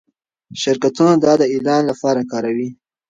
شرکتونه دا د اعلان لپاره کاروي.